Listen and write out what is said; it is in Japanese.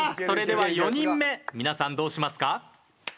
それでは４人目皆さんどうしますか？